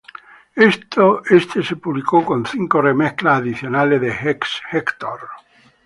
Este se publicó con cinco remezclas adicionales de Hex Hector.